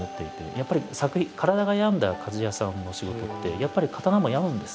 やっぱり体が病んだ鍛冶屋さんの仕事ってやっぱり刀も病むんです。